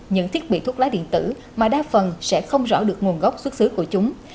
những thiết bị thuốc lá điện tử mà đa phần sẽ không rõ được nguồn gốc xuất xứ của chúng